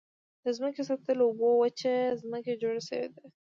د ځمکې سطحه له اوبو او وچې ځمکې جوړ شوې ده.